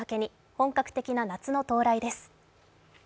本格的な夏の到来です。